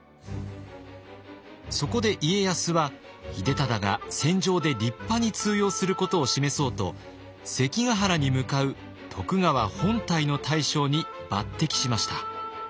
そこで家康は秀忠が戦場で立派に通用することを示そうと関ヶ原に向かう徳川本隊の大将に抜擢しました。